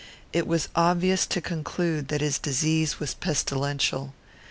It was obvious to conclude that his disease was pestilential.